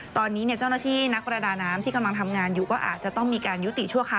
ตอนนี้เจ้าหน้าที่นักประดาน้ำที่กำลังทำงานอยู่ก็อาจจะต้องมีการยุติชั่วครา